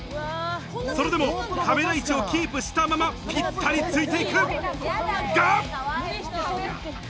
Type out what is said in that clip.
それでもカメラ位置をキープしたままぴったりついていく。